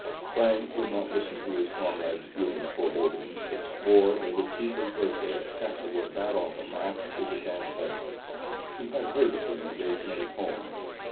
Frank would not listen to his comrade's gloomy forebodings, but swore they would keep his birthday at Castlewood that autumn, after the campaign. He had heard of the engagement at home.